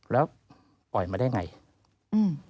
แล้วปล่อยมาได้อย่างไร